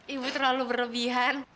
ibu terlalu berlebihan